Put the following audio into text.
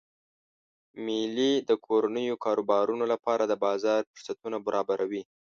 میلې د کورنیو کاروبارونو لپاره د بازار فرصتونه برابروي.